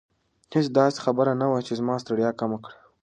هیڅ داسې خبره نه وه چې زما ستړیا کمه کړي.